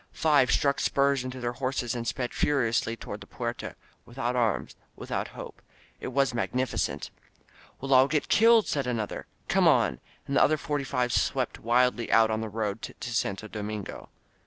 Five struck spurs into their horses, and sped furiously toward the Puerta — ^without arms, without hope. It was magnificent! "We'll aU get killed!" said another. "Come on!" And the other forty five swept wildly out on the road to Santo Domingo.